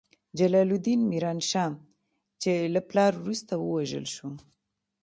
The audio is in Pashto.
جلال الدین میران شاه، چې له پلار وروسته ووژل شو.